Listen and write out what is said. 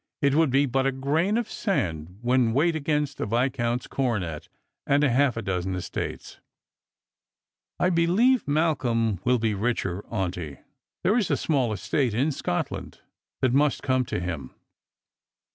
It would be but as a grain of sand, when weighed agamst a viscount's coronet and half a dozen estates. " I beheve Malcolm will be richer, auntie. There is a small estate in Scotland that must come to him."